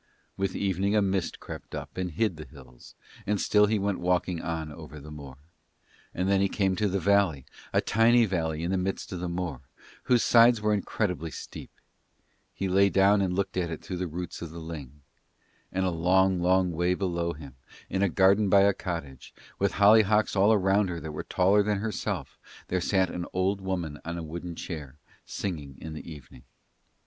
With evening a mist crept up and hid the hills, and still he went walking on over the moor. And then he came to the valley, a tiny valley in the midst of the moor, whose sides were incredibly steep. He lay down and looked at it through the roots of the ling. And a long, long way below him, in a garden by a cottage, with hollyhocks all round her that were taller than herself, there sat an old woman on a wooden chair, singing in the evening.